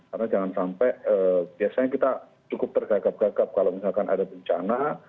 karena jangan sampai biasanya kita cukup tergagap gagap kalau misalkan ada bencana